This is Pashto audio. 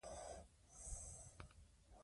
دلته د ژوند لومړي کلونه سترګو ته ودرېدل